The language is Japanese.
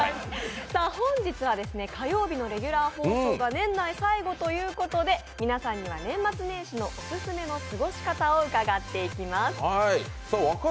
本日は火曜日のレギュラー放送が年内最後ということで、皆さんには年末年始のオススメの過ごし方を伺っていきます。